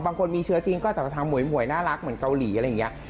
บางคนมีเชื้อจริงก็อาจจะทำหวยน่ารักเหมือนเกาหลีอะไรอย่างนี้